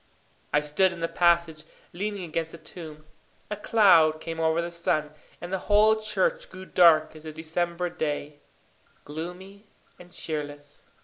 I stood in the passage, leaning against the tomb. A cloud came over the sun, and the whole church grew dark as a December day gloomy and cheerless.